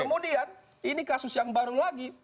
kemudian ini kasus yang baru lagi